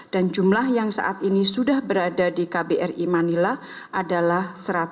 dan jumlah yang saat ini sudah berada di kbri manila adalah satu ratus tiga